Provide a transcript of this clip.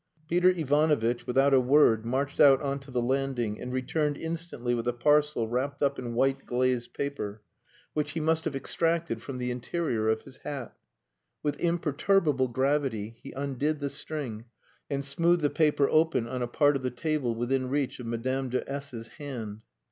Peter Ivanovitch, without a word, marched out on to the landing, and returned instantly with a parcel wrapped up in white glazed paper, which he must have extracted from the interior of his hat. With imperturbable gravity he undid the string and smoothed the paper open on a part of the table within reach of Madame de S 's hand.